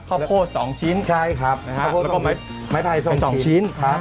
ข้าวโพดสองชิ้นใช่ครับแล้วก็ไม้ไพรสองชิ้น